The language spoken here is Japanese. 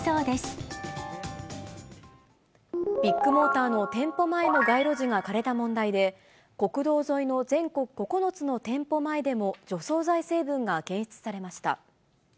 ビッグモーターの店舗前の街路樹が枯れた問題で、国道沿いの全国９つの店舗前でも、除草剤成分が検出されました。